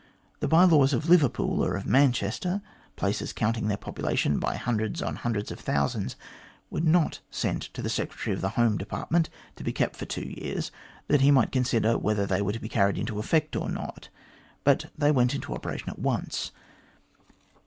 The by laws of Liverpool or of Manchester places counting their population by hundreds on hundreds of thousands were not sent to the Secretary for the Home Department to be kept for two years, that he might consider whether they were to be carried into effect or not, but they went into operation at once.